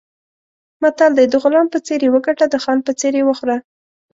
متل دی: د غلام په څېر یې وګټه، د خان په څېر یې وخوره.